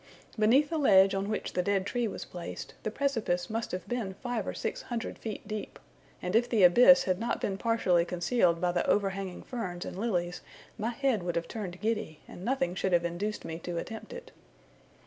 Beneath the ledge on which the dead tree was placed, the precipice must have been five or six hundred feet deep; and if the abyss had not been partly concealed by the overhanging ferns and lilies my head would have turned giddy, and nothing should have induced me to have attempted it.